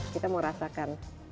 kita mau rasakan